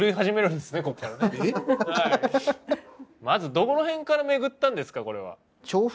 まずどこの辺からめぐったんですか？